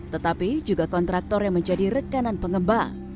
tetapi juga kontraktor yang menjadi rekanan pengembang